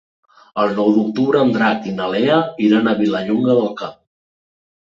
El nou d'octubre en Drac i na Lea iran a Vilallonga del Camp.